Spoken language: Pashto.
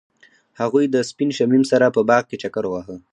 هغوی د سپین شمیم سره په باغ کې چکر وواهه.